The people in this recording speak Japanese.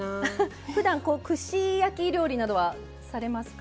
ふだん串焼き料理などはされますか？